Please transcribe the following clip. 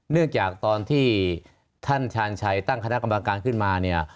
เนื่องจากตอนที่ท่านชาญชัยตั้งคณะกรรมการขึ้นมาเนี่ย